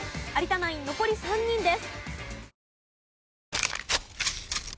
ナイン残り３人です。